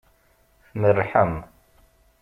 Tmerrḥem.